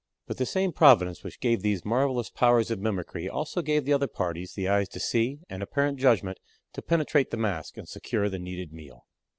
But the same Providence which gave these marvelous powers of mimicry also gave the other parties the eyes to see and apparent judgment to penetrate the mask and secure the needed meal.